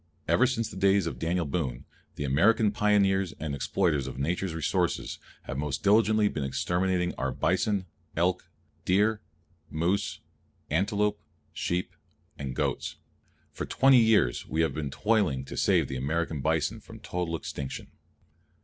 Ever since the days of Daniel Boone, the American pioneers and exploiters of Nature's resources have most diligently been exterminating our bison, elk, deer, moose, antelope, sheep, and goats. For twenty years we have been toiling to save the American bison from total extinction.